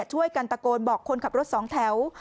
ช่วยกันตะโกนบอกคนขับรถสองแถว